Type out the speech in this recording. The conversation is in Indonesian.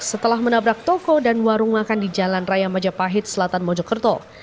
setelah menabrak toko dan warung makan di jalan raya majapahit selatan mojokerto